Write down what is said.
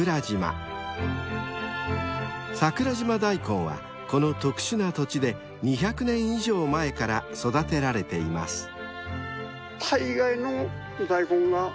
［桜島大根はこの特殊な土地で２００年以上前から育てられています］